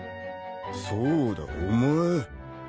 そうだお前。